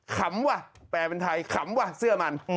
ขำว่ะแปลเป็นไทยขำว่ะเสื้อมัน